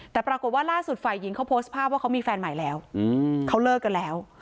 แต่ปรากฏว่าล่าสุดฝ่ายหญิงเขาโพสต์ภาพว่าเขามีแฟนใหม่แล้วเขาเลิกกันแล้ว